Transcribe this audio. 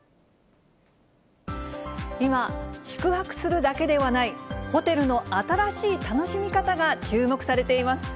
今、宿泊するだけではない、ホテルの新しい楽しみ方が注目されています。